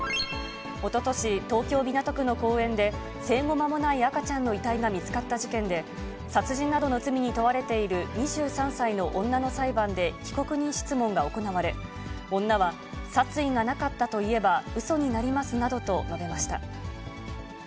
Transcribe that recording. おととし、東京・港区の公園で、生後間もない赤ちゃんの遺体が見つかった事件で、殺人などの罪に問われている２３歳の女の裁判で被告人質問が行われ、女は殺意がなかったといえばうそになりますなどと述べました。